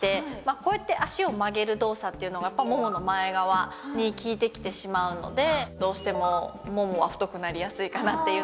こうやって脚を曲げる動作っていうのがやっぱりももの前側に効いてきてしまうのでどうしてもももは太くなりやすいかなっていうのと。